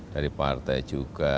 dari partai juga